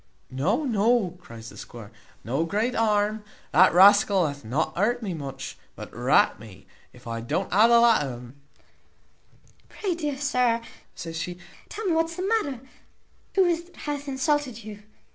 "No, no," cries the squire, "no great harm. The rascal hath not hurt me much, but rat me if I don't ha the la o' un." "Pray, dear sir," says she, "tell me what's the matter; who is it that hath insulted you?"